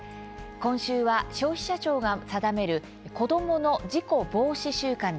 今週は、消費者庁が定める子どもの事故防止週間です。